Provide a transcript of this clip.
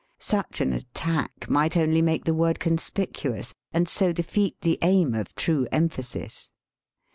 Such an attack might only make the word conspicuous and so defeat the aim of true em phasis.